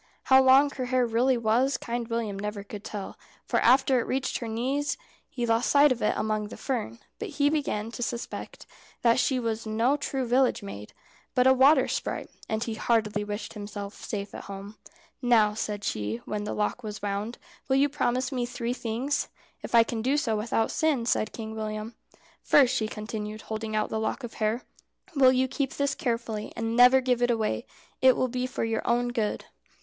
How long her hair really was Kind William never could tell, for after it reached her knees he lost sight of it among the fern; but he began to suspect that she was no true village maid, but a water sprite, and he heartily wished himself safe at home. "Now," said she, when the lock was wound, "will you promise me three things?" "If I can do so without sin," said Kind William. "First," she continued, holding out the lock of hair, "will you keep this carefully, and never give it away? It will be for your own good."